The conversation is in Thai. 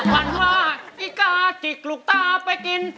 วันว่าอีกาจิกลูกตาไปกิน